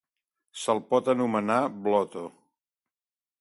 Se'l pot anomenar Blotto.